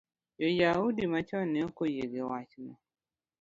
jo-Yahudi machon ne ok oyie gi wachno.